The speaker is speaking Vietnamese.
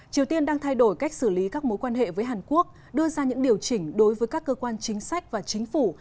triều tiên đang thay đổi cách xử lý các mối quan hệ với hàn quốc đưa ra những điều chỉnh đối với các cơ quan chính sách và chính phủ